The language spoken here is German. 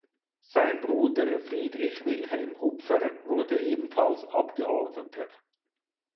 Sein Bruder Friedrich Wilhelm Hupfer wurde ebenfalls Abgeordneter.